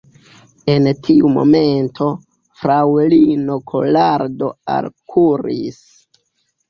En tiu momento, fraŭlino Kolardo alkuris.